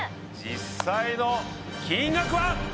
実際の金額は？